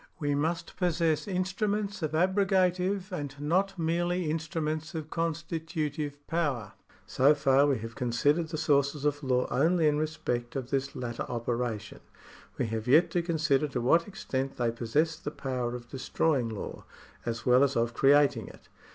We must possess instruments of abrogative, and not merely instru ments of constitutive power. So far we have considered the sources of law only in respect of this latter operation. We have yet to consider to what extent they possess the power of destroying law, as well as of creating it.